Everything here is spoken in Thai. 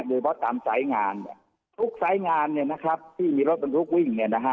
เฉพาะตามสายงานเนี่ยทุกสายงานเนี่ยนะครับที่มีรถบรรทุกวิ่งเนี่ยนะฮะ